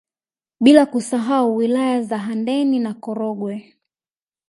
Bila kusahau wilaya za Handeni na Korogwe